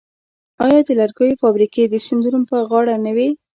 آیا د لرګیو فابریکې د سیندونو په غاړه نه وې؟